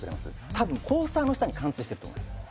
多分コースターの下に貫通していると思います。